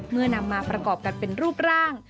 นำมาประกอบกันเป็นรูปร่าง